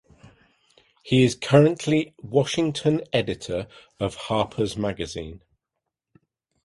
He is currently Washington Editor of "Harper's Magazine".